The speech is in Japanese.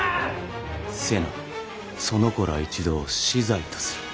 瀬名その子ら一同死罪とする。